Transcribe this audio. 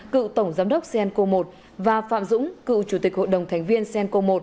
cựu tổng giám đốc senco một và phạm dũng cựu chủ tịch hội đồng thành viên senco một